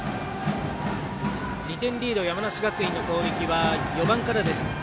２点リード、山梨学院の攻撃は４番からです。